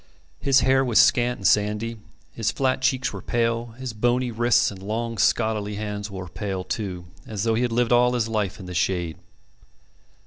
His hair was scant and sandy, his flat cheeks were pale, his bony wrists and long scholarly hands were pale, too, as though he had lived all his life in the shade.